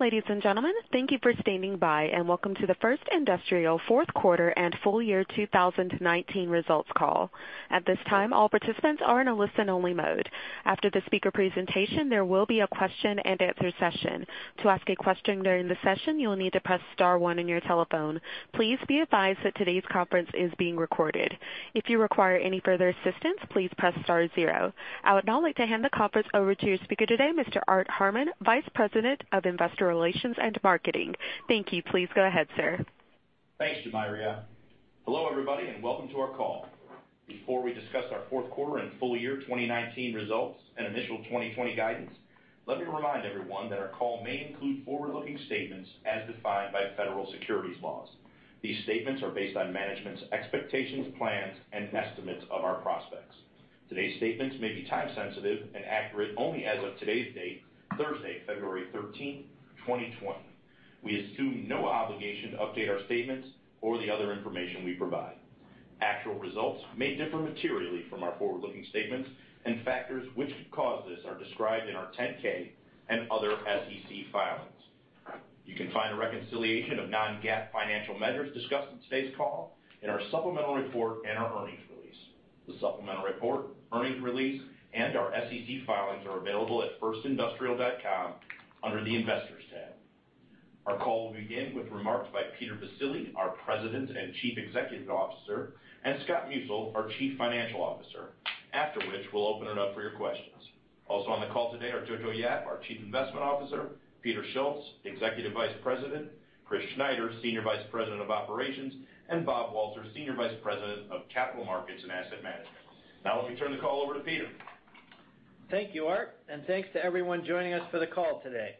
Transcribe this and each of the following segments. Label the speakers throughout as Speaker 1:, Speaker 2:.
Speaker 1: Ladies and gentlemen, thank you for standing by, and welcome to the First Industrial fourth quarter and full year 2019 results call. At this time, all participants are in a listen-only mode. After the speaker presentation, there will be a question-and-answer session. To ask a question during the session, you will need to press star one on your telephone. Please be advised that today's conference is being recorded. If you require any further assistance, please press star zero. I would now like to hand the conference over to your speaker today, Mr. Art Harmon, Vice President of Investor Relations and Marketing. Thank you. Please go ahead, sir.
Speaker 2: Thanks, Jamiria. Hello, everybody, and welcome to our call. Before we discuss our fourth quarter and full year 2019 results and initial 2020 guidance, let me remind everyone that our call may include forward-looking statements as defined by federal securities laws. These statements are based on management's expectations, plans, and estimates of our prospects. Today's statements may be time sensitive and accurate only as of today's date, Thursday, February 13th, 2020. We assume no obligation to update our statements or the other information we provide. Actual results may differ materially from our forward-looking statements, and factors which could cause this are described in our 10-K and other SEC filings. You can find a reconciliation of non-GAAP financial measures discussed in today's call in our supplemental report and our earnings release. The supplemental report, earnings release, and our SEC filings are available at firstindustrial.com under the Investors tab. Our call will begin with remarks by Peter Baccile, our President and Chief Executive Officer, and Scott Musil, our Chief Financial Officer. After which, we'll open it up for your questions. Also on the call today are Jojo Yap, our Chief Investment Officer, Peter Schultz, Executive Vice President, Chris Schneider, Senior Vice President of Operations, and Bob Walter, Senior Vice President of Capital Markets and Asset Management. Now let me turn the call over to Peter.
Speaker 3: Thank you, Art, and thanks to everyone joining us for the call today.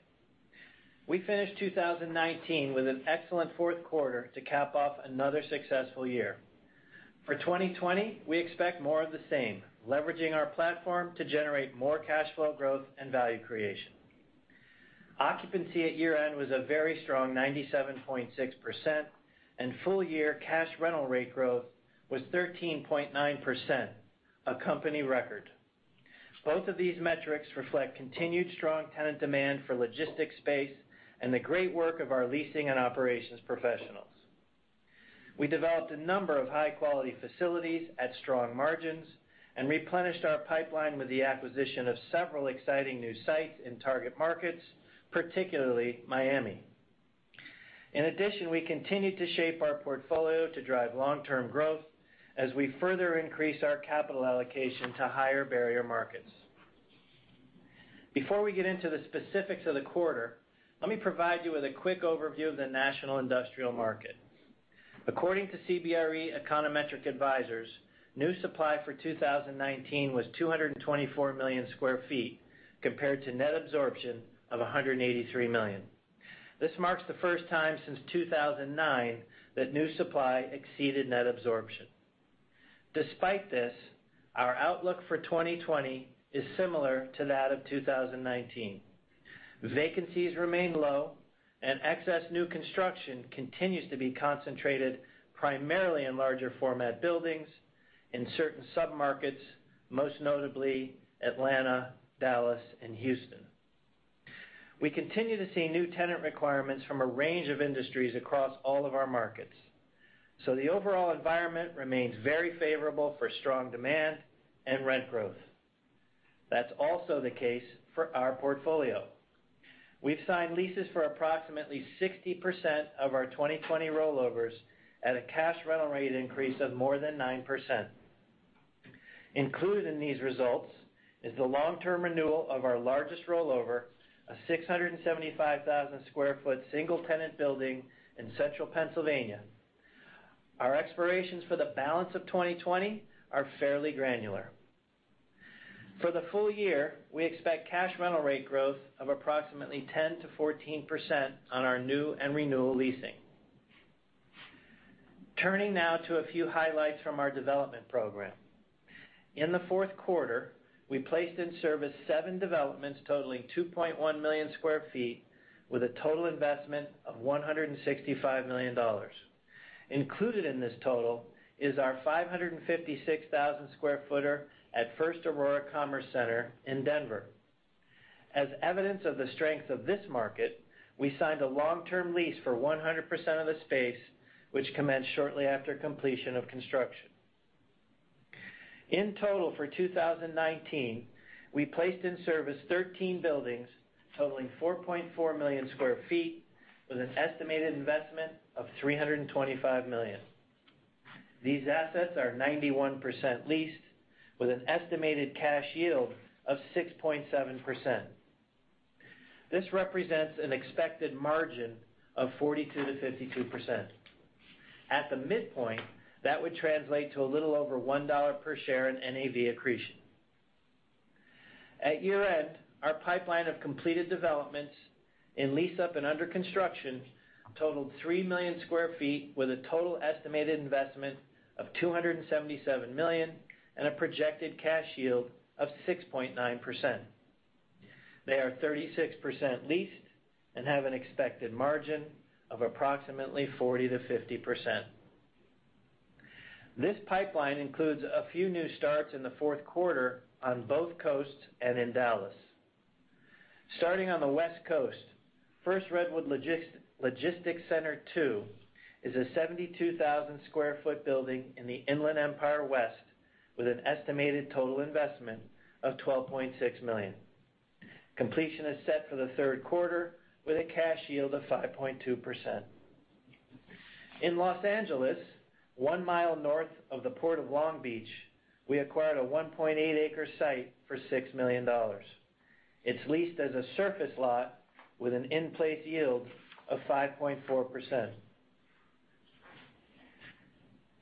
Speaker 3: We finished 2019 with an excellent fourth quarter to cap off another successful year. For 2020, we expect more of the same, leveraging our platform to generate more cash flow growth and value creation. Occupancy at year-end was a very strong 97.6%, and full-year cash rental rate growth was 13.9%, a company record. Both of these metrics reflect continued strong tenant demand for logistics space and the great work of our leasing and operations professionals. We developed a number of high-quality facilities at strong margins and replenished our pipeline with the acquisition of several exciting new sites in target markets, particularly Miami. In addition, we continued to shape our portfolio to drive long-term growth as we further increase our capital allocation to higher barrier markets. Before we get into the specifics of the quarter, let me provide you with a quick overview of the national industrial market. According to CBRE Econometric Advisors, new supply for 2019 was 224 million square feet compared to net absorption of 183 million square feet. This marks the first time since 2009 that new supply exceeded net absorption. Despite this, our outlook for 2020 is similar to that of 2019. Vacancies remain low, and excess new construction continues to be concentrated primarily in larger format buildings in certain submarkets, most notably Atlanta, Dallas, and Houston. We continue to see new tenant requirements from a range of industries across all of our markets, so the overall environment remains very favorable for strong demand and rent growth. That's also the case for our portfolio. We've signed leases for approximately 60% of our 2020 rollovers at a cash rental rate increase of more than 9%. Included in these results is the long-term renewal of our largest rollover, a 675,000 sq ft single-tenant building in central Pennsylvania. Our explorations for the balance of 2020 are fairly granular. For the full year, we expect cash rental rate growth of approximately 10%-14% on our new and renewal leasing. Turning now to a few highlights from our development program. In the fourth quarter, we placed in service seven developments totaling 2.1 million square feet with a total investment of $165 million. Included in this total is our 556,000 sq ft at First Aurora Commerce Center in Denver. As evidence of the strength of this market, we signed a long-term lease for 100% of the space, which commenced shortly after completion of construction. In total for 2019, we placed in service 13 buildings totaling 4.4 million square feet with an estimated investment of $325 million. These assets are 91% leased with an estimated cash yield of 6.7%. This represents an expected margin of 42%-52%. At the midpoint, that would translate to a little over $1 per share in NAV accretion. At year-end, our pipeline of completed developments in lease-up and under construction totaled 3 million square feet with a total estimated investment of $277 million and a projected cash yield of 6.9%. They are 36% leased and have an expected margin of approximately 40%-50%. This pipeline includes a few new starts in the fourth quarter on both coasts and in Dallas. Starting on the West Coast, First Redwood Logistics Center II is a 72,000 sq ft building in the Inland Empire West, with an estimated total investment of $12.6 million. Completion is set for the third quarter, with a cash yield of 5.2%. In Los Angeles, one mile north of the Port of Long Beach, we acquired a 1.8-acre site for $6 million. It's leased as a surface lot with an in-place yield of 5.4%.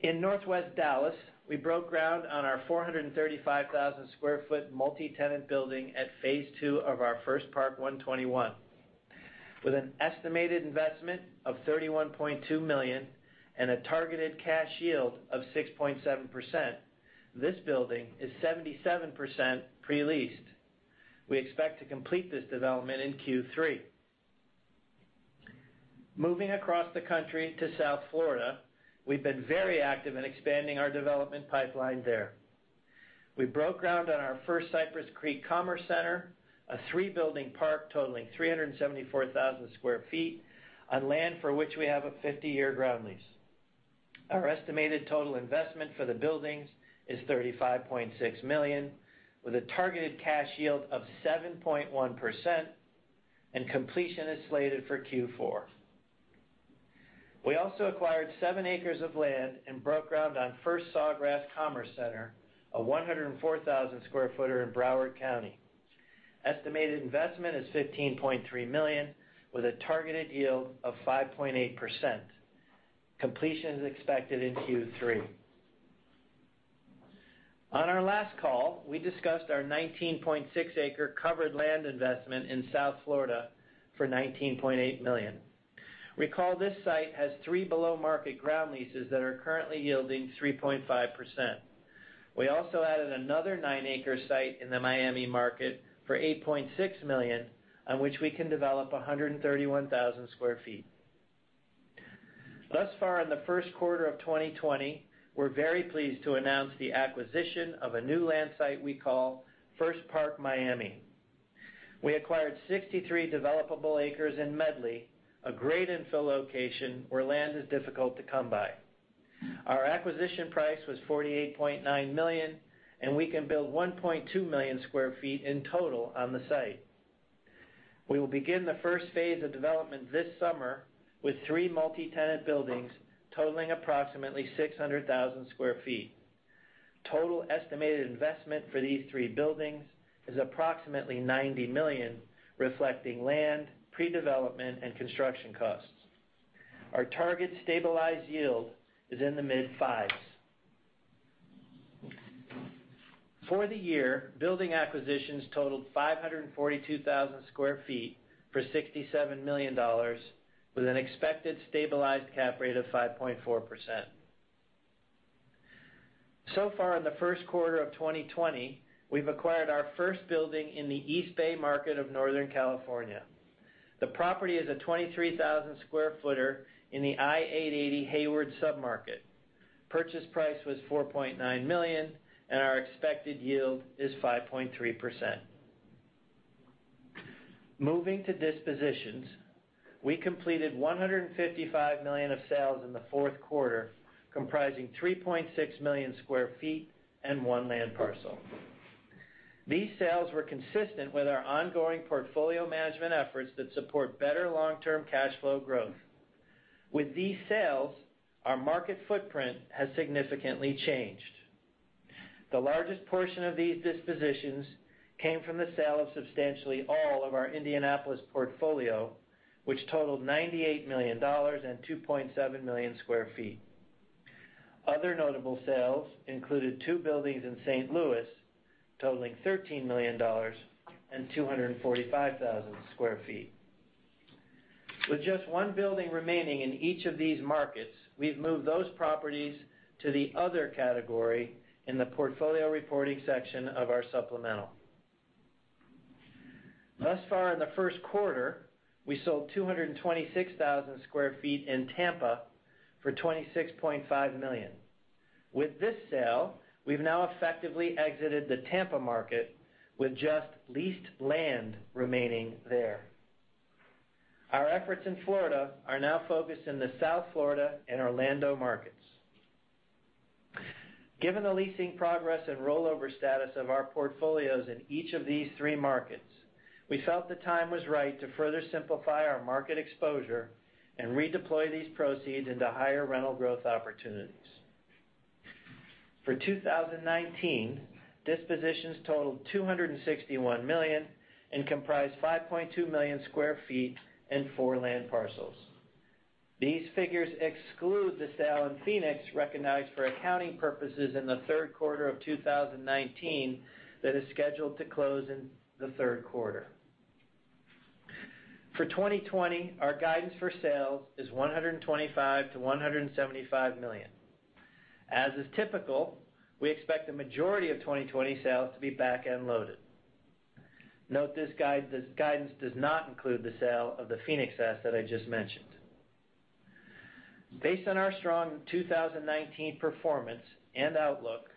Speaker 3: In northwest Dallas, we broke ground on our 435,000 sq ft multi-tenant building at phase two of our First Park 121. With an estimated investment of $31.2 million and a targeted cash yield of 6.7%, this building is 77% pre-leased. We expect to complete this development in Q3. Moving across the country to South Florida, we've been very active in expanding our development pipeline there. We broke ground on our First Cypress Creek Commerce Center, a three-building park totaling 374,000 sq ft, on land for which we have a 50-year ground lease. Our estimated total investment for the buildings is $35.6 million, with a targeted cash yield of 7.1%, and completion is slated for Q4. We also acquired 7 acres of land and broke ground on First Sawgrass Commerce Center, a 104,000 sq ft in Broward County. Estimated investment is $15.3 million, with a targeted yield of 5.8%. Completion is expected in Q3. On our last call, we discussed our 19.6-acre covered land investment in South Florida for $19.8 million. Recall, this site has three below-market ground leases that are currently yielding 3.5%. We also added another 9-acre site in the Miami market for $8.6 million, on which we can develop 131,000 sq ft. Thus far in the first quarter of 2020, we're very pleased to announce the acquisition of a new land site we call First Park Miami. We acquired 63 developable acres in Medley, a great infill location where land is difficult to come by. Our acquisition price was $48.9 million, and we can build 1.2 million square feet in total on the site. We will begin the first phase of development this summer with three multi-tenant buildings totaling approximately 600,000 sq ft. Total estimated investment for these three buildings is approximately $90 million, reflecting land, pre-development, and construction costs. Our target stabilized yield is in the mid-5s. For the year, building acquisitions totaled 542,000 sq ft for $67 million, with an expected stabilized cap rate of 5.4%. In the first quarter of 2020, we've acquired our first building in the East Bay market of Northern California. The property is a 23,000 sq ft in the I-880 Hayward submarket. Purchase price was $4.9 million, and our expected yield is 5.3%. Moving to dispositions, we completed $155 million of sales in the fourth quarter, comprising 3.6 million square feet and one land parcel. These sales were consistent with our ongoing portfolio management efforts that support better long-term cash flow growth. With these sales, our market footprint has significantly changed. The largest portion of these dispositions came from the sale of substantially all of our Indianapolis portfolio, which totaled $98 million and 2.7 million square feet. Other notable sales included two buildings in St. Louis totaling $13 million and 245,000 sq ft. With just one building remaining in each of these markets, we've moved those properties to the other category in the portfolio reporting section of our supplemental. Thus far in the first quarter, we sold 226,000 sq ft in Tampa for $26.5 million. With this sale, we've now effectively exited the Tampa market, with just leased land remaining there. Our efforts in Florida are now focused in the South Florida and Orlando markets. Given the leasing progress and rollover status of our portfolios in each of these three markets, we felt the time was right to further simplify our market exposure and redeploy these proceeds into higher rental growth opportunities. For 2019, dispositions totaled $261 million and comprised 5.2 million square feet and four land parcels. These figures exclude the sale in Phoenix recognized for accounting purposes in the third quarter of 2019 that is scheduled to close in the third quarter. For 2020, our guidance for sales is $125 million-$175 million. As is typical, we expect the majority of 2020 sales to be back-end loaded. Note this guidance does not include the sale of the Phoenix asset I just mentioned. Based on our strong 2019 performance and outlook,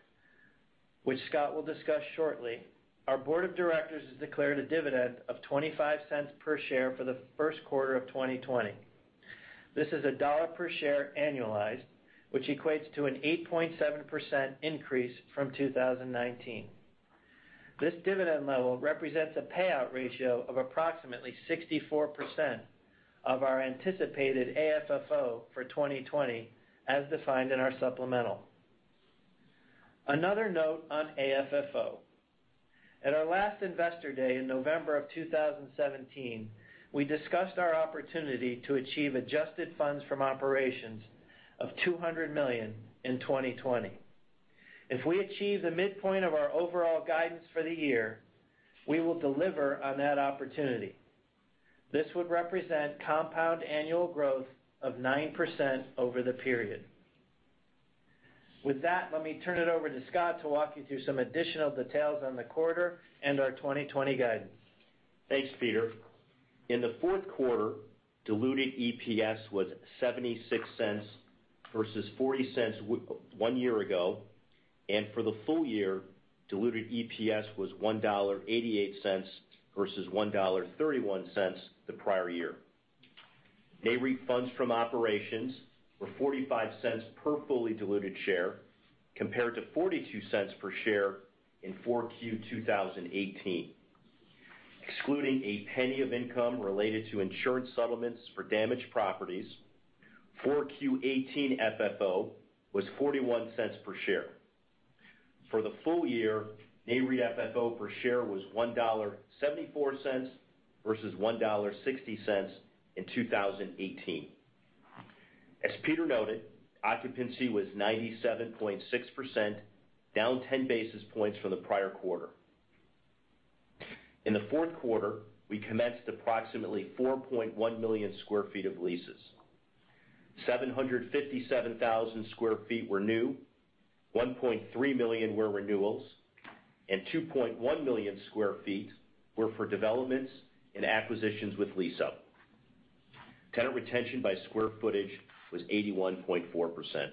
Speaker 3: which Scott will discuss shortly, our board of directors has declared a dividend of $0.25 per share for the first quarter of 2020. This is $1 per share annualized, which equates to an 8.7% increase from 2019. This dividend level represents a payout ratio of approximately 64% of our anticipated AFFO for 2020, as defined in our supplemental. Another note on AFFO. At our last Investor Day in November of 2017, we discussed our opportunity to achieve adjusted funds from operations of $200 million in 2020. If we achieve the midpoint of our overall guidance for the year, we will deliver on that opportunity. This would represent compound annual growth of 9% over the period. With that, let me turn it over to Scott to walk you through some additional details on the quarter and our 2020 guidance.
Speaker 4: Thanks, Peter. In the fourth quarter, diluted EPS was $0.76 versus $0.40 one year ago. For the full year, diluted EPS was $1.88 versus $1.31 the prior year. NAREIT funds from operations were $0.45 per fully diluted share, compared to $0.42 per share in 4Q 2018. Excluding $0.01 of income related to insurance settlements for damaged properties, 4Q 2018 FFO was $0.41 per share. For the full year, NAREIT FFO per share was $1.74 versus $1.60 in 2018. As Peter noted, occupancy was 97.6%, down 10 basis points from the prior quarter. In the fourth quarter, we commenced approximately 4.1 million square feet of leases. 757,000 sq ft were new, 1.3 million square feet were renewals, 2.1 million square feet were for developments and acquisitions with lease-up. Tenant retention by square footage was 81.4%.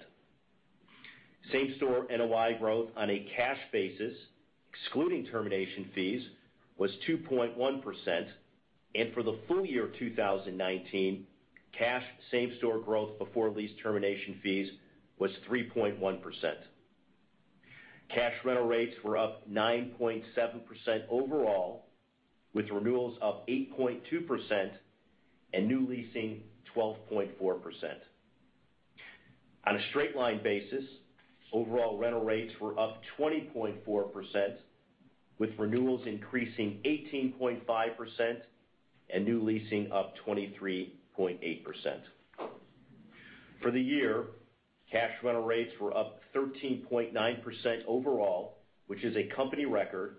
Speaker 4: Same-store NOI growth on a cash basis, excluding termination fees, was 2.1%. For the full year 2019, cash same-store growth before lease termination fees was 3.1%. Cash rental rates were up 9.7% overall, with renewals up 8.2% and new leasing 12.4%. On a straight line basis, overall rental rates were up 20.4%, with renewals increasing 18.5% and new leasing up 23.8%. For the year, cash rental rates were up 13.9% overall, which is a company record.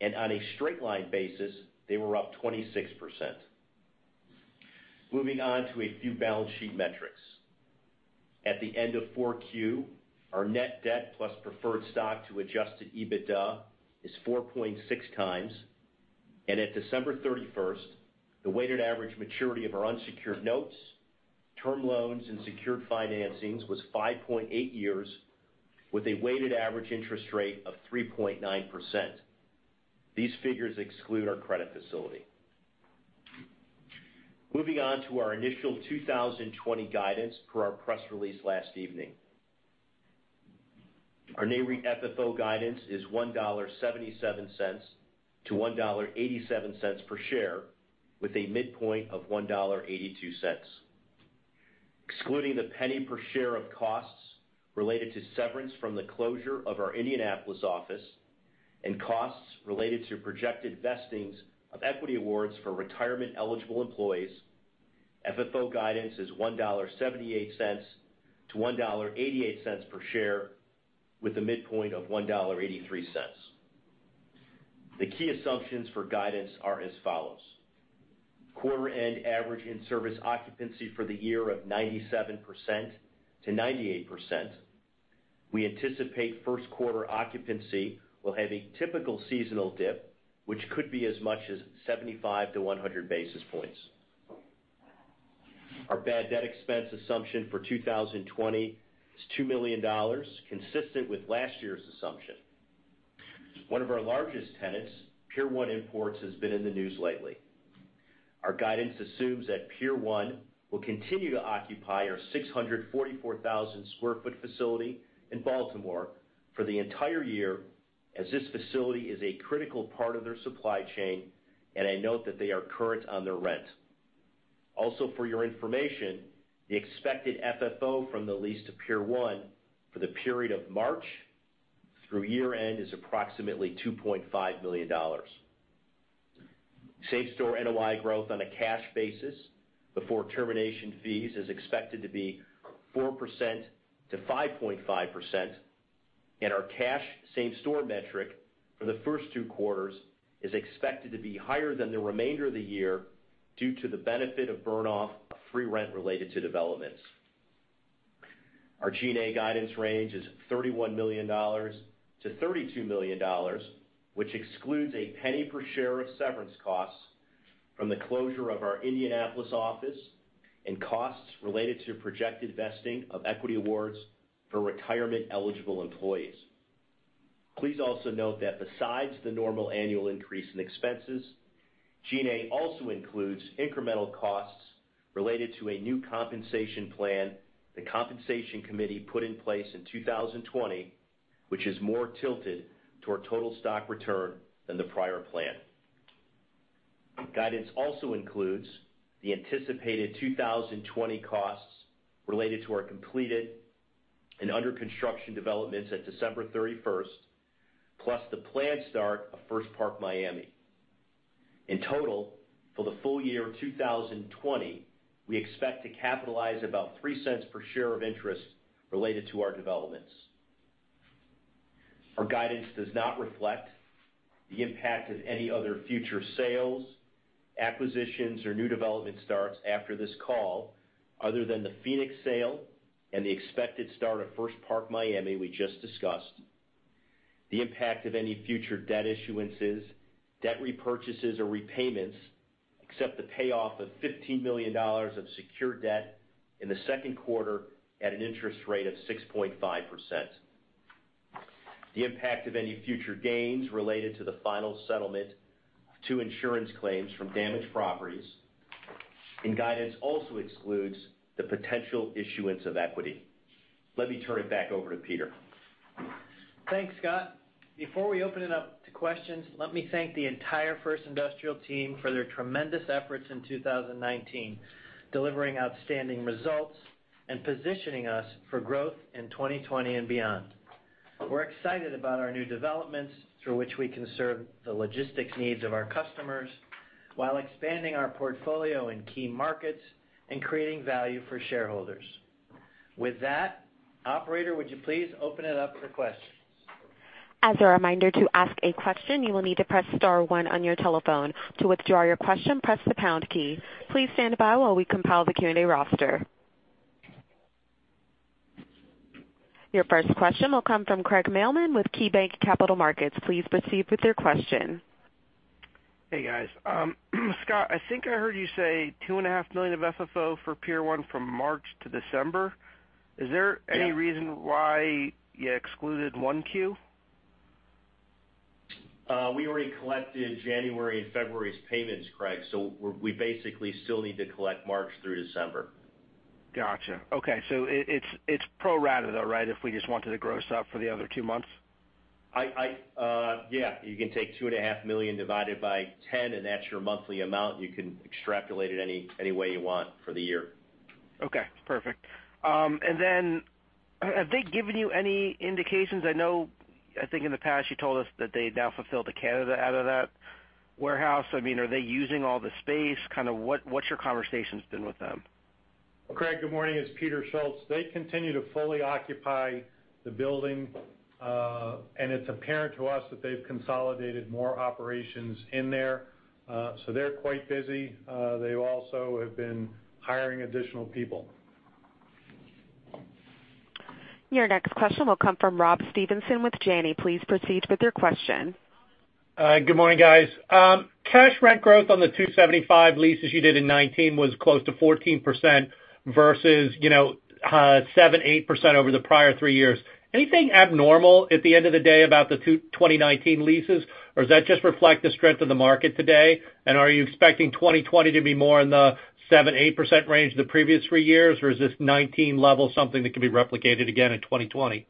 Speaker 4: On a straight line basis, they were up 26%. Moving on to a few balance sheet metrics. At the end of 4Q, our net debt plus preferred stock to adjusted EBITDA is 4.6x. At December 31st, the weighted average maturity of our unsecured notes, term loans and secured financings was 5.8 years, with a weighted average interest rate of 3.9%. These figures exclude our credit facility. Moving on to our initial 2020 guidance per our press release last evening. Our NAREIT FFO guidance is $1.77-$1.87 per share, with a midpoint of $1.82. Excluding the $0.01 per share of costs related to severance from the closure of our Indianapolis office and costs related to projected vestings of equity awards for retirement-eligible employees, FFO guidance is $1.78-$1.88 per share, with a midpoint of $1.83. The key assumptions for guidance are as follows. Quarter-end average in-service occupancy for the year of 97%-98%. We anticipate first quarter occupancy will have a typical seasonal dip, which could be as much as 75-100 basis points. Our bad debt expense assumption for 2020 is $2 million, consistent with last year's assumption. One of our largest tenants, Pier 1 Imports, has been in the news lately. Our guidance assumes that Pier 1 will continue to occupy our 644,000 sq ft facility in Baltimore for the entire year, as this facility is a critical part of their supply chain, and I note that they are current on their rent. For your information, the expected FFO from the lease to Pier 1 for the period of March through year-end is approximately $2.5 million. Same-store NOI growth on a cash basis before termination fees is expected to be 4%-5.5%, and our cash same-store metric for the first two quarters is expected to be higher than the remainder of the year due to the benefit of burn-off of free rent related to developments. Our G&A guidance range is $31 million-$32 million, which excludes $0.01 per share of severance costs from the closure of our Indianapolis office and costs related to projected vesting of equity awards for retirement-eligible employees. Please also note that besides the normal annual increase in expenses, G&A also includes incremental costs related to a new compensation plan the compensation committee put in place in 2020, which is more tilted to our total stock return than the prior plan. Guidance also includes the anticipated 2020 costs related to our completed and under-construction developments at December 31st, plus the planned start of First Park Miami. In total, for the full year of 2020, we expect to capitalize about $0.03 per share of interest related to our developments. Our guidance does not reflect the impact of any other future sales, acquisitions, or new development starts after this call, other than the Phoenix sale and the expected start of First Park Miami we just discussed, the impact of any future debt issuances, debt repurchases, or repayments, except the payoff of $15 million of secured debt in the second quarter at an interest rate of 6.5%, the impact of any future gains related to the final settlement of two insurance claims from damaged properties, and guidance also excludes the potential issuance of equity. Let me turn it back over to Peter.
Speaker 3: Thanks, Scott. Before we open it up to questions, let me thank the entire First Industrial team for their tremendous efforts in 2019, delivering outstanding results and positioning us for growth in 2020 and beyond. We're excited about our new developments through which we can serve the logistics needs of our customers while expanding our portfolio in key markets and creating value for shareholders. With that, operator, would you please open it up for questions?
Speaker 1: As a reminder, to ask a question, you will need to press star one on your telephone. To withdraw your question, press the pound key. Please stand by while we compile the Q&A roster. Your first question will come from Craig Mailman with KeyBanc Capital Markets. Please proceed with your question.
Speaker 5: Hey, guys. Scott, I think I heard you say $2.5 million of FFO for Pier 1 from March to December.
Speaker 4: Yeah
Speaker 5: Is there any reason why you excluded 1Q?
Speaker 4: We already collected January and February's payments, Craig. We basically still need to collect March through December.
Speaker 5: Got you. Okay, it's pro rata, though, right? If we just wanted to gross up for the other two months.
Speaker 4: Yeah. You can take $2.5 million divided by 10, and that's your monthly amount. You can extrapolate it any way you want for the year.
Speaker 5: Okay, perfect. Have they given you any indications? I think in the past you told us that they've now fulfilled the Canada out of that warehouse. Are they using all the space? What's your conversations been with them?
Speaker 6: Craig, good morning. It's Peter Schultz. They continue to fully occupy the building, and it's apparent to us that they've consolidated more operations in there. They're quite busy. They also have been hiring additional people.
Speaker 1: Your next question will come from Rob Stevenson with Janney. Please proceed with your question.
Speaker 7: Good morning, guys. Cash rent growth on the 275 leases you did in 2019 was close to 14% versus 7%-8% over the prior three years. Anything abnormal at the end of the day about the 2019 leases, or does that just reflect the strength of the market today? Are you expecting 2020 to be more in the 7%-8% range of the previous three years, or is this 2019 level something that can be replicated again in 2020?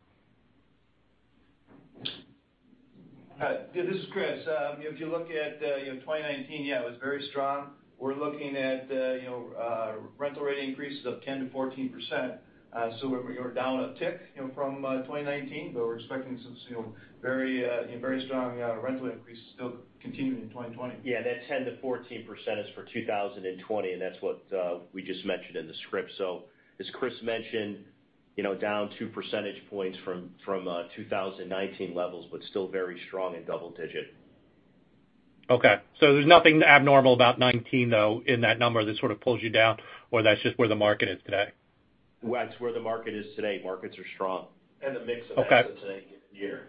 Speaker 8: This is Chris. If you look at 2019, yeah, it was very strong. We're looking at rental rate increases of 10%-14%. We're down a tick from 2019, but we're expecting some very strong rental increases still continuing in 2020.
Speaker 4: Yeah, that 10%-14% is for 2020. That's what we just mentioned in the script. As Chris mentioned, down two percentage points from 2019 levels. Still very strong in double digit.
Speaker 7: Okay, there's nothing abnormal about 2019, though, in that number that sort of pulls you down, or that's just where the market is today?
Speaker 4: That's where the market is today. Markets are strong and the mix of assets-
Speaker 7: Okay..
Speaker 4: in a year.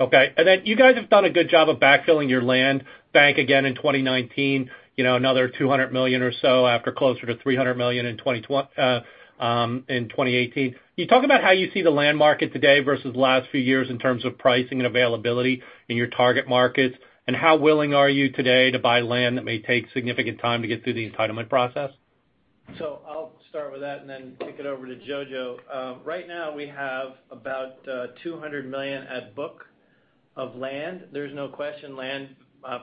Speaker 7: Okay. You guys have done a good job of backfilling your land bank again in 2019, another $200 million or so after closer to $300 million in 2018. Can you talk about how you see the land market today versus the last few years in terms of pricing and availability in your target markets, and how willing are you today to buy land that may take significant time to get through the entitlement process?
Speaker 3: I'll start with that and then kick it over to Jojo. Right now, we have about $200 million at book of land. There's no question land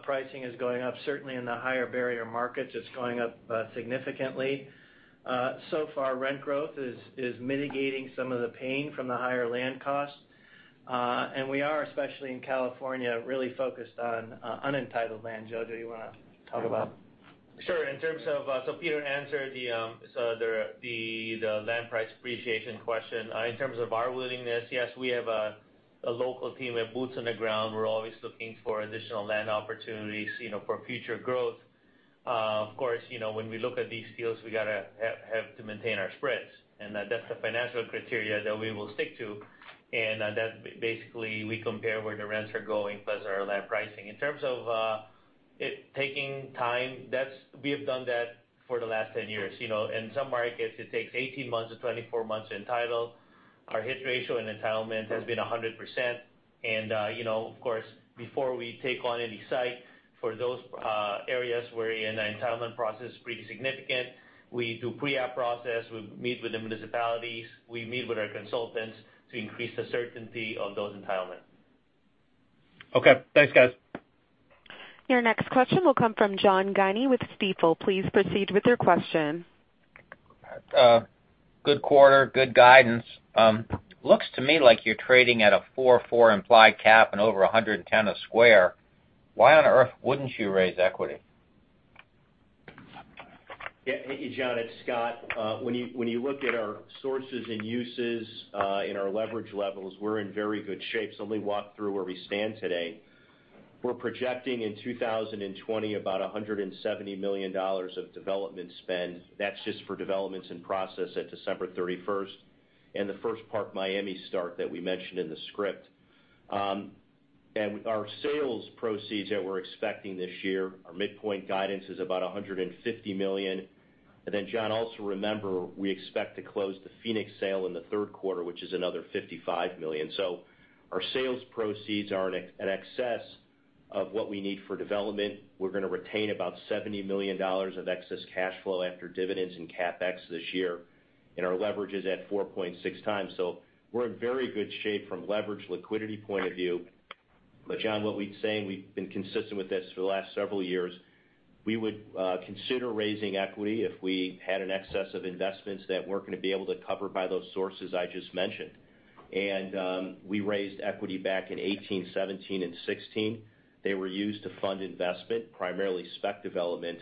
Speaker 3: pricing is going up. Certainly, in the higher barrier markets, it's going up significantly. So far, rent growth is mitigating some of the pain from the higher land costs. We are, especially in California, really focused on unentitled land. Jojo, you want to talk about that?
Speaker 9: Sure. Peter answered the land price appreciation question. In terms of our willingness, yes, we have a local team. We have boots on the ground. We're always looking for additional land opportunities for future growth. Of course, when we look at these deals, we got to have to maintain our spreads, and that's the financial criteria that we will stick to. That basically we compare where the rents are going plus our land pricing. In terms of it taking time, we have done that for the last 10 years. In some markets, it takes 18 months to 24 months to entitle. Our hit ratio in entitlement has been 100%. Of course, before we take on any site for those areas where an entitlement process is pretty significant, we do pre-app process. We meet with the municipalities. We meet with our consultants to increase the certainty of those entitlements.
Speaker 7: Okay. Thanks, guys.
Speaker 1: Your next question will come from John Guinee with Stifel. Please proceed with your question.
Speaker 10: Good quarter. Good guidance. Looks to me like you're trading at a four four implied cap and over $110 a square. Why on earth wouldn't you raise equity?
Speaker 4: Yeah. Hey, John, it's Scott. When you look at our sources and uses in our leverage levels, we're in very good shape. Let me walk through where we stand today. We're projecting in 2020 about $170 million of development spend. That's just for developments in process at December 31st and the First Park Miami start that we mentioned in the script. Our sales proceeds that we're expecting this year, our midpoint guidance is about $150 million. Then John, also remember, we expect to close the Phoenix sale in the third quarter, which is another $55 million. Our sales proceeds are in excess of what we need for development. We're going to retain about $70 million of excess cash flow after dividends and CapEx this year. Our leverage is at 4.6 times. We're in very good shape from leverage liquidity point of view. John, what we've been saying, we've been consistent with this for the last several years, we would consider raising equity if we had an excess of investments that weren't going to be able to cover by those sources I just mentioned. We raised equity back in 2018, 2017, and 2016. They were used to fund investment, primarily spec development.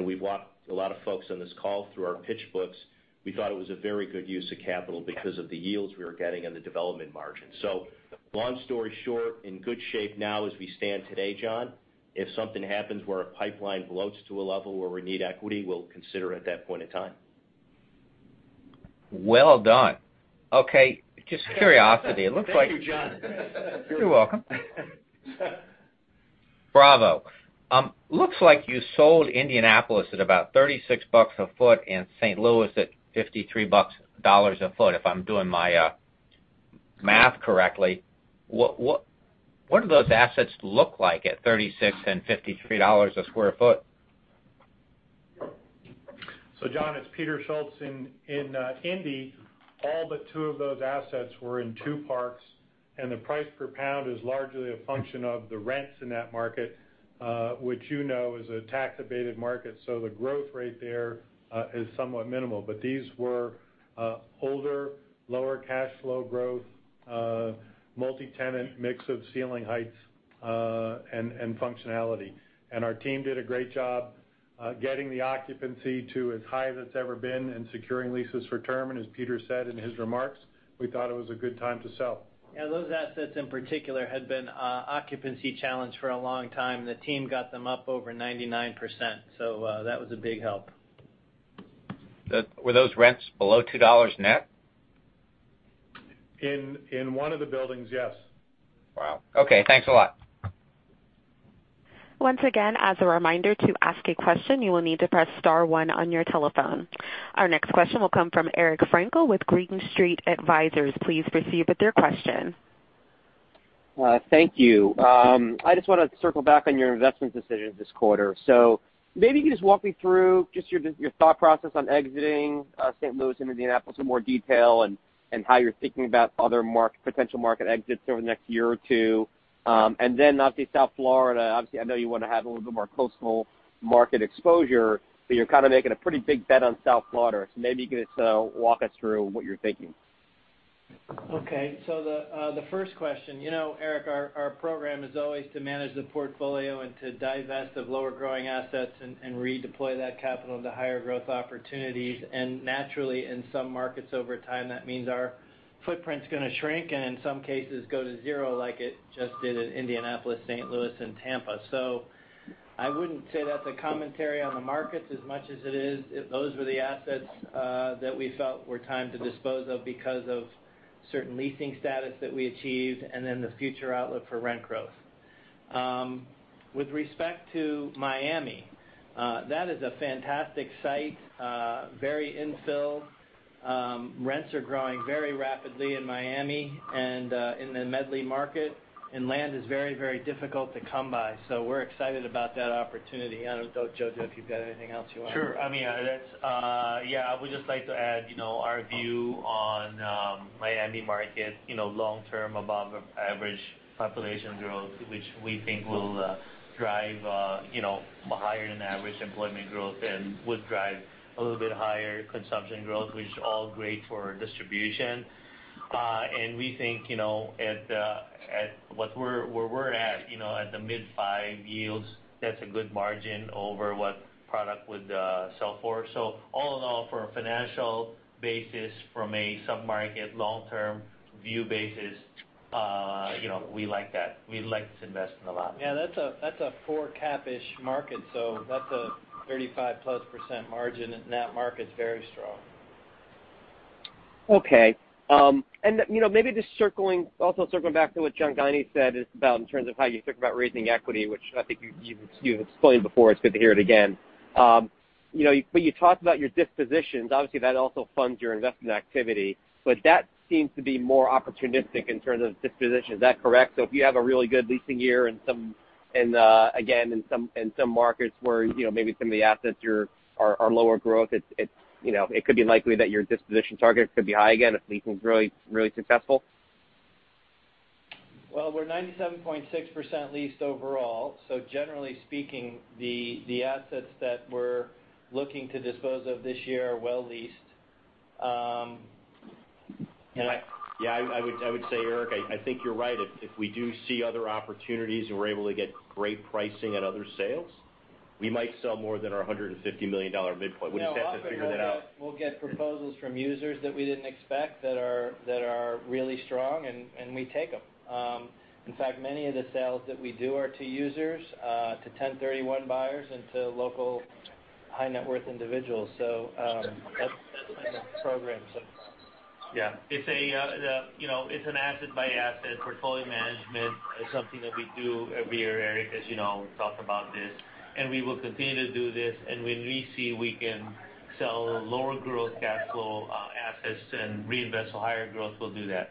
Speaker 4: We've walked a lot of folks on this call through our pitch books. We thought it was a very good use of capital because of the yields we were getting and the development margin. Long story short, in good shape now as we stand today, John. If something happens where a pipeline bloats to a level where we need equity, we'll consider it at that point in time.
Speaker 10: Well done. Okay. Just curiosity.
Speaker 4: Thank you, John.
Speaker 10: You're welcome. Bravo. Looks like you sold Indianapolis at about $36 a foot and St. Louis at $53 a foot, if I'm doing my math correctly. What do those assets look like at $36 and $53 a square foot?
Speaker 6: John, it's Peter Schultz. In Indy, all but two of those assets were in two parks, the price per pound is largely a function of the rents in that market, which you know is a tax-abated market. The growth rate there is somewhat minimal. These were older, lower cash flow growth, multi-tenant mix of ceiling heights and functionality. Our team did a great job getting the occupancy to as high as it's ever been and securing leases for term. As Peter said in his remarks, we thought it was a good time to sell.
Speaker 3: Yeah, those assets in particular had been occupancy-challenged for a long time. The team got them up over 99%, that was a big help.
Speaker 10: Were those rents below $2 net?
Speaker 6: In one of the buildings, yes.
Speaker 10: Wow. Okay, thanks a lot.
Speaker 1: Once again, as a reminder to ask a question, you will need to press star one on your telephone. Our next question will come from Eric Frankel with Green Street Advisors. Please proceed with your question.
Speaker 11: Thank you. I just want to circle back on your investment decisions this quarter. Maybe you can just walk me through just your thought process on exiting St. Louis and Indianapolis in more detail and how you're thinking about other potential market exits over the next year or two. Then obviously South Florida, I know you want to have a little bit more coastal market exposure, but you're kind of making a pretty big bet on South Florida. Maybe you could walk us through what you're thinking.
Speaker 3: Okay. The first question, Eric, our program is always to manage the portfolio and to divest of lower-growing assets and redeploy that capital into higher growth opportunities. Naturally, in some markets over time, that means our footprint's going to shrink and in some cases go to zero like it just did in Indianapolis, St. Louis, and Tampa. I wouldn't say that's a commentary on the markets as much as it is those were the assets that we felt were time to dispose of because of certain leasing status that we achieved and then the future outlook for rent growth. With respect to Miami, that is a fantastic site. Very infill. Rents are growing very rapidly in Miami and in the Medley market. Land is very, very difficult to come by. We're excited about that opportunity. I don't know, Jojo, if you've got anything else you want to add.
Speaker 9: Sure. I would just like to add, our view on Miami market, long-term above average population growth, which we think will drive higher than average employment growth and would drive a little bit higher consumption growth, which is all great for distribution. We think where we're at the mid-five yields, that's a good margin over what product would sell for. All in all, for a financial basis from a sub-market long-term view basis. We like to invest in the lot.
Speaker 3: Yeah, that's a four cap-ish market. That's a 35%+ margin in that market. It's very strong.
Speaker 11: Okay. Maybe just also circling back to what John Guinee said is about in terms of how you think about raising equity, which I think you've explained before. It's good to hear it again. You talked about your dispositions. Obviously, that also funds your investment activity, but that seems to be more opportunistic in terms of disposition. Is that correct? If you have a really good leasing year and again, in some markets where maybe some of the assets are lower growth, it could be likely that your disposition target could be high again if leasing is really successful.
Speaker 3: Well, we're 97.6% leased overall. Generally speaking, the assets that we're looking to dispose of this year are well leased.
Speaker 4: Yeah, I would say, Eric, I think you're right. If we do see other opportunities and we're able to get great pricing on other sales, we might sell more than our $150 million midpoint. We just have to figure that out.
Speaker 3: We'll get proposals from users that we didn't expect that are really strong, and we take them. In fact, many of the sales that we do are to users, to 1031 buyers, and to local high-net-worth individuals. That's in the program.
Speaker 9: It's an asset-by-asset portfolio management. It's something that we do every year, Eric, as you know. We've talked about this, and we will continue to do this. When we see we can sell lower growth capital assets and reinvest for higher growth, we'll do that.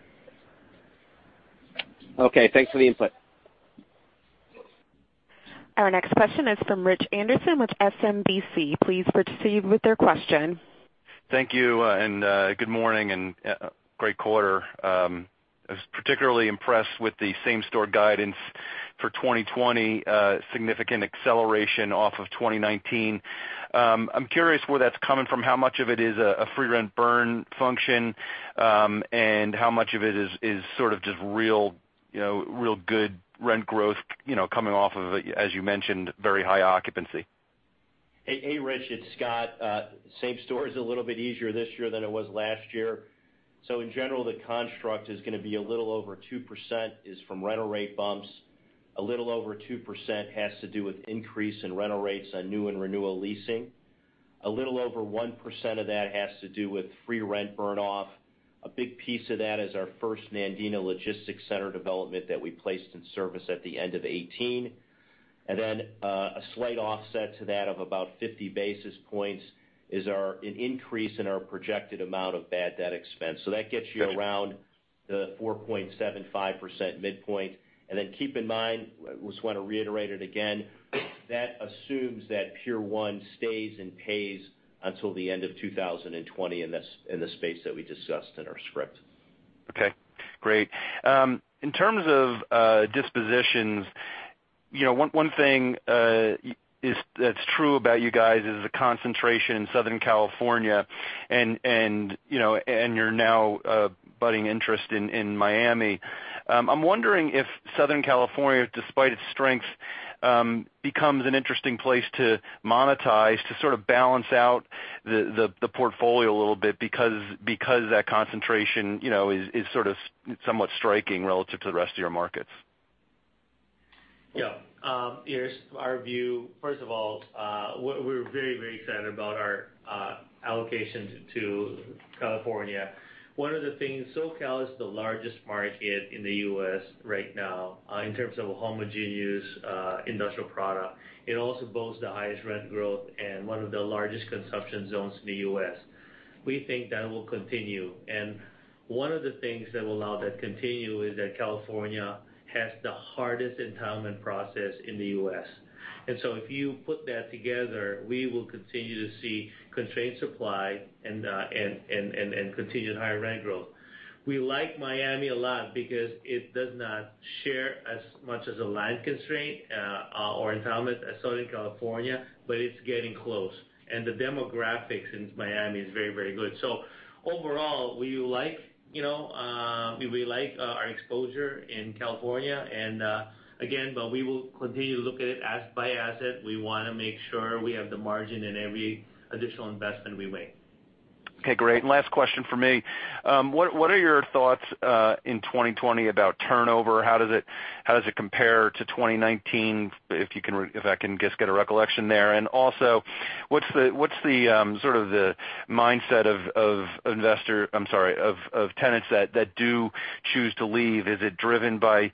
Speaker 11: Okay. Thanks for the input.
Speaker 1: Our next question is from Rich Anderson with SMBC. Please proceed with your question.
Speaker 12: Thank you, and good morning, and great quarter. I was particularly impressed with the same-store guidance for 2020, significant acceleration off of 2019. I'm curious where that's coming from. How much of it is a free rent burn function, and how much of it is sort of just real good rent growth coming off of, as you mentioned, very high occupancy?
Speaker 4: Hey, Rich. It's Scott. Same-store is a little bit easier this year than it was last year. In general, the construct is going to be a little over 2% is from rental rate bumps. A little over 2% has to do with increase in rental rates on new and renewal leasing. A little over 1% of that has to do with free rent burn off. A big piece of that is our First Medina Logistics Center development that we placed in service at the end of 2018. A slight offset to that of about 50 basis points is an increase in our projected amount of bad debt expense. That gets you around the 4.75% midpoint. Keep in mind, I just want to reiterate it again, that assumes that Pier 1 stays and pays until the end of 2020 in the space that we discussed in our script.
Speaker 12: Okay, great. In terms of dispositions, one thing that's true about you guys is the concentration in Southern California and your now budding interest in Miami. I'm wondering if Southern California, despite its strengths, becomes an interesting place to monetize to sort of balance out the portfolio a little bit because that concentration is sort of somewhat striking relative to the rest of your markets.
Speaker 9: Yeah. Here's our view. First of all, we're very excited about our allocation to California. One of the things, SoCal is the largest market in the U.S. right now in terms of a homogeneous industrial product. It also boasts the highest rent growth and one of the largest consumption zones in the U.S. We think that will continue. One of the things that will allow that to continue is that California has the hardest entitlement process in the U.S. If you put that together, we will continue to see constrained supply and continued higher rent growth. We like Miami a lot because it does not share as much as a land constraint or entitlement as Southern California, but it's getting close. The demographics in Miami is very good. Overall, we like our exposure in California. Again, we will continue to look at it asset by asset. We want to make sure we have the margin in every additional investment we make.
Speaker 12: Okay, great. Last question from me. What are your thoughts in 2020 about turnover? How does it compare to 2019? If I can just get a recollection there. What's the sort of the mindset of tenants that do choose to leave? Is it driven by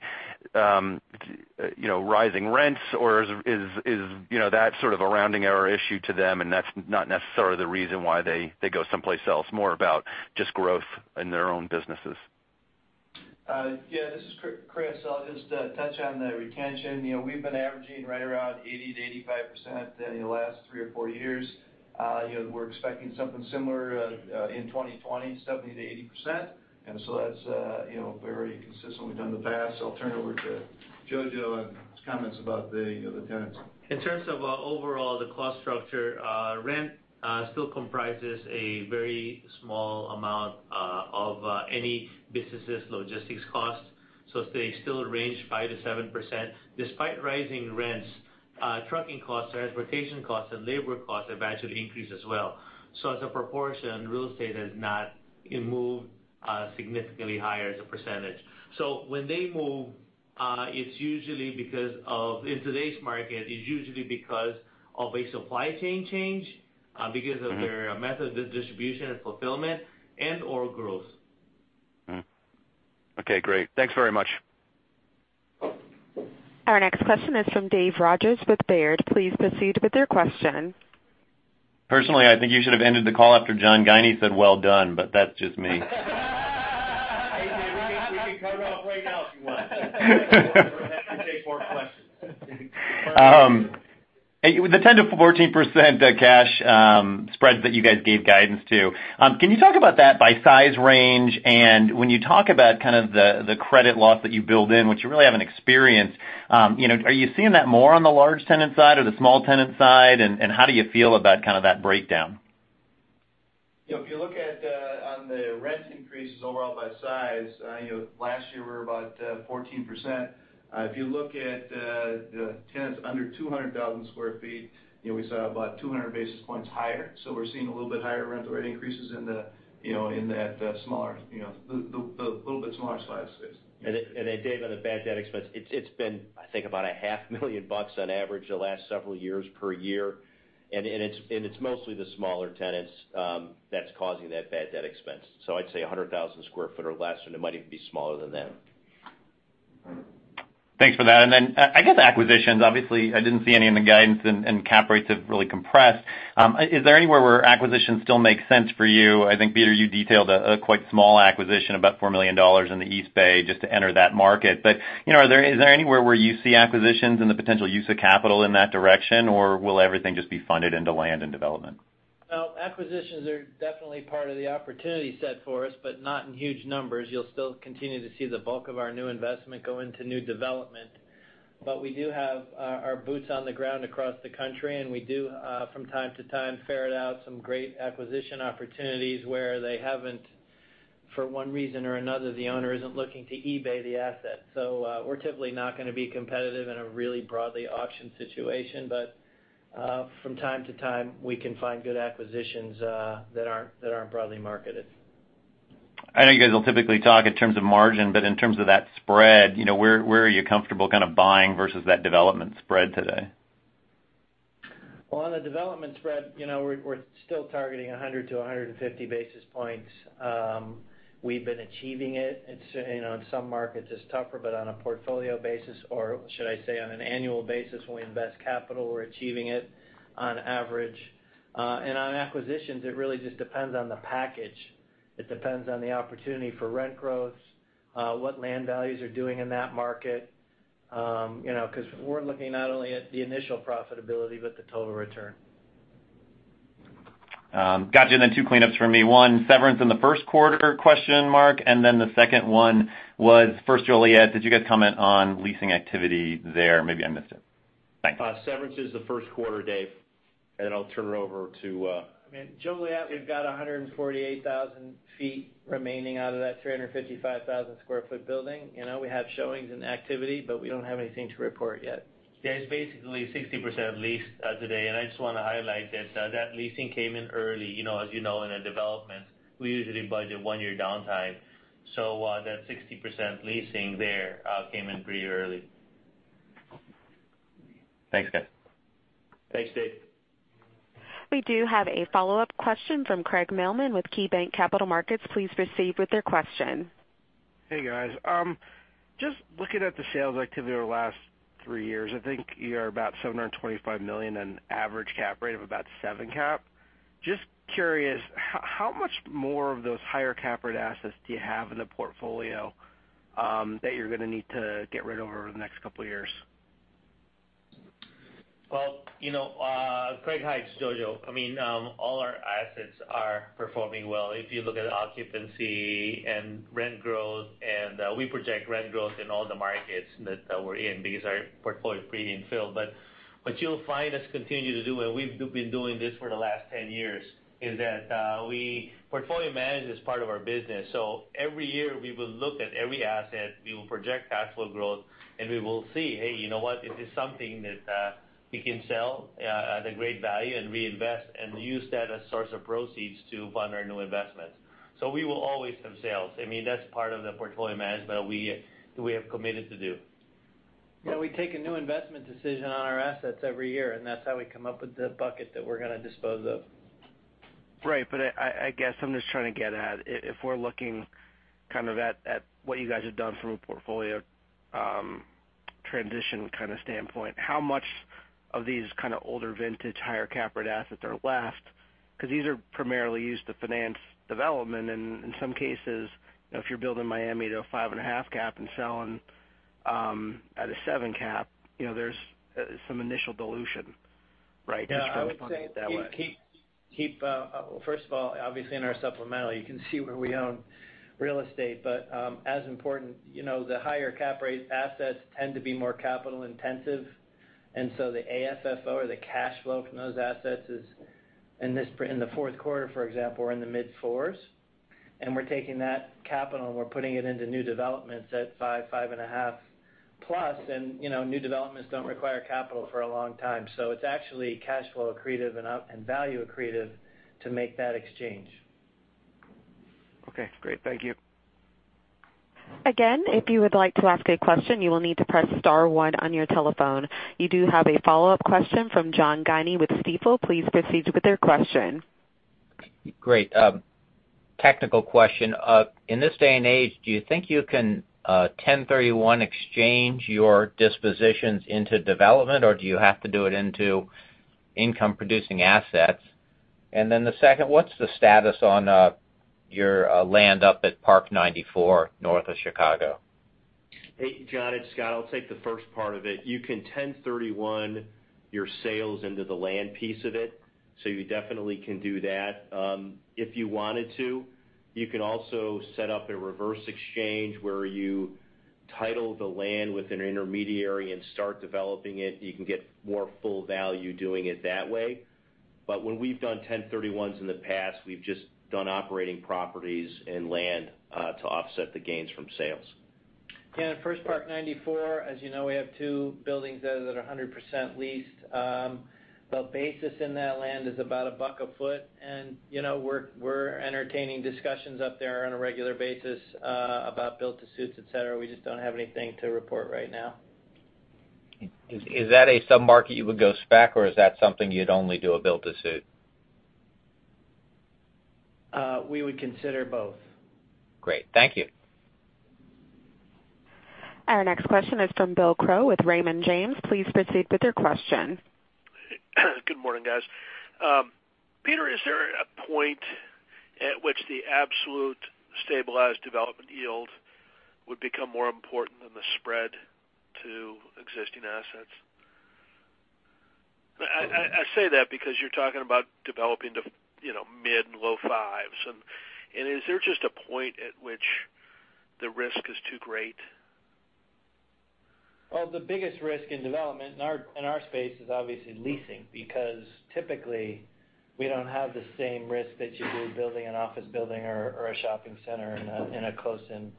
Speaker 12: rising rents, or is that sort of a rounding error issue to them, and that's not necessarily the reason why they go someplace else, more about just growth in their own businesses?
Speaker 8: Yeah, this is Chris. I'll just touch on the retention. We've been averaging right around 80%-85% in the last three or four years. We're expecting something similar in 2020, 70%-80%. That's very consistent with what we've done in the past. I'll turn it over to Jojo on his comments about the tenants.
Speaker 9: In terms of overall the cost structure, rent still comprises a very small amount of any business' logistics cost. They still range 5%-7%. Despite rising rents, trucking costs or transportation costs and labor costs have actually increased as well. As a proportion, real estate has not moved significantly higher as a percentage. When they move, it's usually because of, in today's market, it's usually because of a supply chain change, because of their method of distribution and fulfillment and/or growth.
Speaker 12: Okay, great. Thanks very much.
Speaker 1: Our next question is from Dave Rodgers with Baird. Please proceed with your question.
Speaker 13: Personally, I think you should have ended the call after John Guinee said well done, but that's just me.
Speaker 3: We can cut it off right now if you want. We're happy to take more questions.
Speaker 13: With the 10%-14% cash spreads that you guys gave guidance to, can you talk about that by size range? When you talk about the credit loss that you build in, which you really haven't experienced, are you seeing that more on the large tenant side or the small tenant side? How do you feel about that breakdown?
Speaker 8: If you look at on the rent increases overall by size, last year we were about 14%. If you look at the tenants under 200,000 sq ft, we saw about 200 basis points higher. We're seeing a little bit higher rental rate increases in the little bit smaller size space.
Speaker 4: Dave, on the bad debt expense, it's been, I think, about $500,000 on average the last several years per year, and it's mostly the smaller tenants that's causing that bad debt expense. I'd say 100,000 sq ft or less, and it might even be smaller than that.
Speaker 13: Thanks for that. I guess acquisitions, obviously, I didn't see any in the guidance and cap rates have really compressed. Is there anywhere where acquisitions still make sense for you? I think, Peter, you detailed a quite small acquisition, about $4 million in the East Bay just to enter that market. Is there anywhere where you see acquisitions and the potential use of capital in that direction, or will everything just be funded into land and development?
Speaker 3: No, acquisitions are definitely part of the opportunity set for us, but not in huge numbers. You'll still continue to see the bulk of our new investment go into new development. We do have our boots on the ground across the country, and we do, from time to time, ferret out some great acquisition opportunities where they haven't, for one reason or another, the owner isn't looking to eBay the asset. We're typically not going to be competitive in a really broadly auctioned situation. From time to time, we can find good acquisitions that aren't broadly marketed.
Speaker 13: I know you guys will typically talk in terms of margin, but in terms of that spread, where are you comfortable kind of buying versus that development spread today?
Speaker 3: Well, on the development spread, we're still targeting 100-150 basis points. We've been achieving it. In some markets, it's tougher, but on a portfolio basis, or should I say on an annual basis, when we invest capital, we're achieving it on average. On acquisitions, it really just depends on the package. It depends on the opportunity for rent growth, what land values are doing in that market. We're looking not only at the initial profitability, but the total return.
Speaker 13: Got you. Two cleanups for me. One, severance in the first quarter? The second one was First Joliet. Did you guys comment on leasing activity there? Maybe I missed it. Thanks.
Speaker 4: Severance is the first quarter, Dave, and then I'll turn it over to.
Speaker 3: Joliet, we've got 148,000 sq ft remaining out of that 355,000 sq ft building. We have showings and activity, but we don't have anything to report yet.
Speaker 9: There's basically 60% leased today. I just want to highlight that leasing came in early. As you know, in a development, we usually budget one year downtime. That 60% leasing there came in pretty early.
Speaker 13: Thanks, guys.
Speaker 3: Thanks, Dave.
Speaker 1: We do have a follow-up question from Craig Mailman with KeyBanc Capital Markets. Please proceed with your question.
Speaker 5: Hey, guys. Just looking at the sales activity over the last three years, I think you're about $725 million and average cap rate of about 7% cap. Just curious, how much more of those higher cap rate assets do you have in the portfolio that you're going to need to get rid of over the next couple of years?
Speaker 9: Well, Craig, hi. It's Jojo. All our assets are performing well. If you look at occupancy and rent growth, we project rent growth in all the markets that we're in because our portfolio is pretty in-filled. What you'll find us continue to do, and we've been doing this for the last 10 years, is that we portfolio manage as part of our business. Every year, we will look at every asset, we will project cash flow growth, and we will see, hey, you know what? Is this something that we can sell at a great value and reinvest and use that as source of proceeds to fund our new investments? We will always have sales. That's part of the portfolio management that we have committed to do.
Speaker 3: Yeah, we take a new investment decision on our assets every year, and that's how we come up with the bucket that we're going to dispose of.
Speaker 5: Right. I guess I'm just trying to get at, if we're looking at what you guys have done from a portfolio transition kind of standpoint, how much of these kind of older vintage, higher cap rate assets are left? Because these are primarily used to finance development. In some cases, if you're building Miami to a 5.5% cap and selling at a 7 cap, there's some initial dilution, right? I would look at it that way.
Speaker 3: First of all, obviously in our supplemental, you can see where we own real estate, but as important, the higher cap rate assets tend to be more capital intensive, and so the AFFO or the cash flow from those assets is in the fourth quarter, for example, we're in the mid-fours. We're taking that capital and we're putting it into new developments at 5.5%, and new developments don't require capital for a long time. It's actually cash flow accretive and value accretive to make that exchange.
Speaker 5: Okay, great. Thank you.
Speaker 1: Again, if you would like to ask a question, you will need to press star one on your telephone. You do have a follow-up question from John Guinee with Stifel. Please proceed with your question.
Speaker 10: Great. Technical question. In this day and age, do you think you can 1031 exchange your dispositions into development, or do you have to do it into income-producing assets? The second, what's the status on your land up at Park 94 north of Chicago?
Speaker 4: Hey, John, it's Scott. I'll take the first part of it. You can 1031 your sales into the land piece of it. You definitely can do that. If you wanted to, you can also set up a reverse exchange where you title the land with an intermediary and start developing it. You can get more full value doing it that way. When we've done 1031s in the past, we've just done operating properties and land to offset the gains from sales.
Speaker 3: Yeah, at First Park 94, as you know, we have two buildings that are 100% leased. The basis in that land is about $1 a foot. We're entertaining discussions up there on a regular basis about build to suits, et cetera. We just don't have anything to report right now.
Speaker 10: Is that a sub-market you would go spec, or is that something you'd only do a build to suit?
Speaker 3: We would consider both.
Speaker 10: Great. Thank you.
Speaker 1: Our next question is from Bill Crow with Raymond James. Please proceed with your question.
Speaker 14: Good morning, guys. Peter, is there a point at which the absolute stabilized development yield would become more important than the spread to existing assets? I say that because you're talking about developing the mid- and low-5%. Is there just a point at which the risk is too great?
Speaker 3: Well, the biggest risk in development in our space is obviously leasing, because typically, we don't have the same risk that you do building an office building or a shopping center in a closed-in.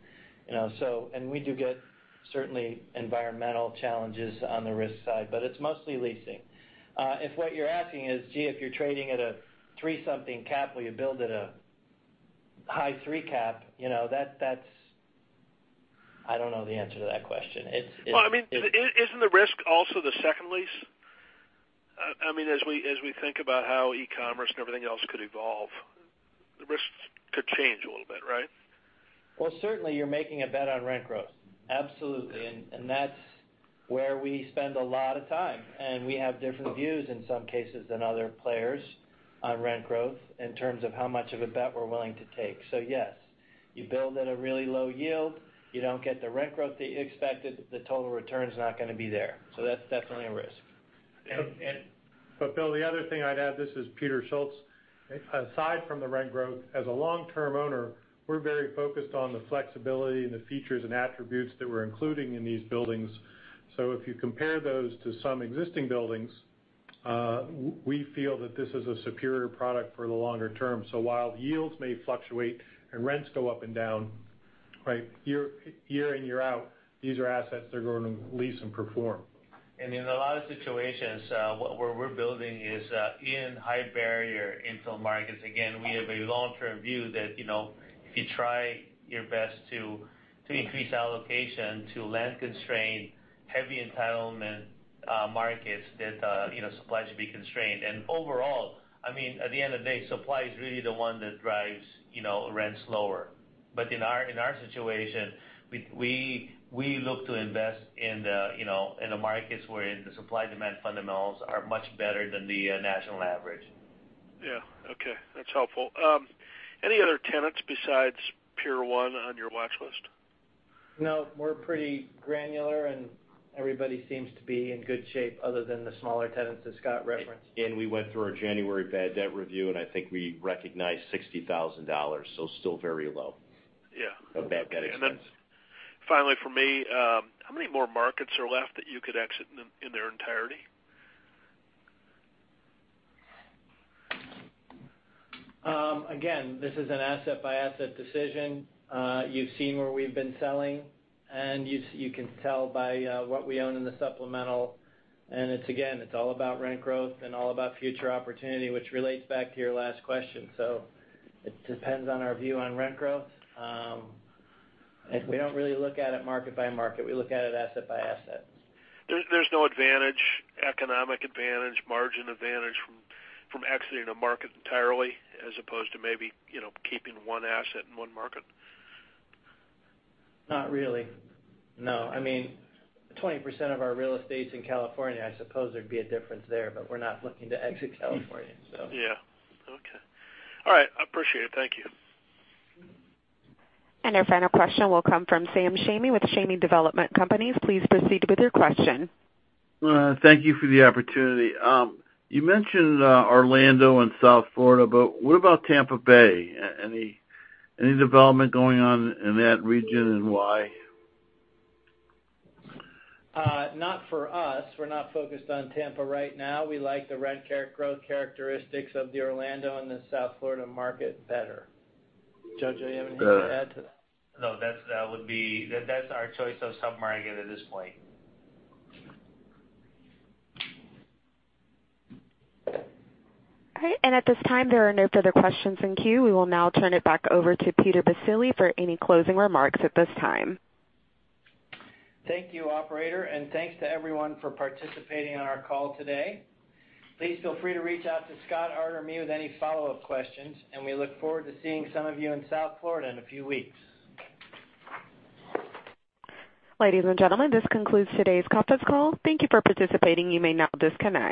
Speaker 3: We do get certainly environmental challenges on the risk side, but it's mostly leasing. If what you're asking is, gee, if you're trading at a three-something cap or you build at a high three cap, I don't know the answer to that question.
Speaker 14: Well, isn't the risk also the second lease? As we think about how e-commerce and everything else could evolve, the risks could change a little bit, right?
Speaker 3: Well, certainly you're making a bet on rent growth. Absolutely. That's where we spend a lot of time, and we have different views in some cases than other players on rent growth in terms of how much of a bet we're willing to take. Yes. You build at a really low yield, you don't get the rent growth that you expected, the total return's not going to be there. That's definitely a risk.
Speaker 6: Bill, the other thing I'd add, this is Peter Schultz. Aside from the rent growth, as a long-term owner, we're very focused on the flexibility and the features and attributes that we're including in these buildings. If you compare those to some existing buildings, we feel that this is a superior product for the longer term. While yields may fluctuate and rents go up and down year in, year out, these are assets that are going to lease and perform.
Speaker 9: In a lot of situations, where we're building is in high-barrier infill markets. Again, we have a long-term view that if you try your best to increase allocation to land-constrained, heavy entitlement markets, that supply should be constrained. Overall, at the end of the day, supply is really the one that drives rents lower. In our situation, we look to invest in the markets wherein the supply-demand fundamentals are much better than the national average.
Speaker 14: Yeah. Okay. That's helpful. Any other tenants besides Pier 1 on your watchlist?
Speaker 3: No, we're pretty granular, and everybody seems to be in good shape other than the smaller tenants that Scott referenced.
Speaker 4: We went through our January bad debt review, and I think we recognized $60,000, so still very low.
Speaker 14: Yeah.
Speaker 4: Of bad debt expense.
Speaker 14: Finally from me, how many more markets are left that you could exit in their entirety?
Speaker 3: Again, this is an asset-by-asset decision. You've seen where we've been selling, and you can tell by what we own in the supplemental. Again, it's all about rent growth and all about future opportunity, which relates back to your last question. It depends on our view on rent growth. We don't really look at it market by market. We look at it asset by asset.
Speaker 14: There's no advantage, economic advantage, margin advantage, from exiting a market entirely as opposed to maybe keeping one asset in one market?
Speaker 3: Not really, no. 20% of our real estate's in California. I suppose there'd be a difference there, but we're not looking to exit California.
Speaker 14: Yeah. Okay. All right. I appreciate it. Thank you.
Speaker 1: Our final question will come from Sam Shamie with Shamie Development Companies. Please proceed with your question.
Speaker 15: Thank you for the opportunity. You mentioned Orlando and South Florida, but what about Tampa Bay? Any development going on in that region, and why?
Speaker 3: Not for us. We're not focused on Tampa right now. We like the rent growth characteristics of the Orlando and the South Florida market better. Jojo, you have anything to add to that?
Speaker 9: No, that's our choice of sub-market at this point.
Speaker 1: All right, at this time, there are no further questionas in queue. We will now turn it back over to Peter Baccile for any closing remarks at this time.
Speaker 3: Thank you, operator, and thanks to everyone for participating on our call today. Please feel free to reach out to Scott, Art, or me with any follow-up questions, and we look forward to seeing some of you in South Florida in a few weeks.
Speaker 1: Ladies and gentlemen, this concludes today's conference call. Thank you for participating. You may now disconnect.